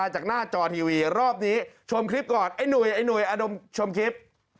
จากหน้าจอทีวีรอบนี้ชมคลิปก่อนไอ้หนุ่ยไอ้หนุ่ยมชมคลิป